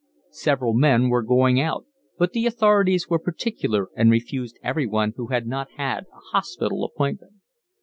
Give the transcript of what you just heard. Several men were going out, but the authorities were particular and refused everyone who had not had a hospital appointment.